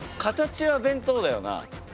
形は弁当だよな。